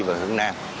và hướng nam